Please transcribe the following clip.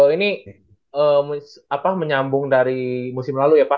ini menyambung dari musim lalu ya pak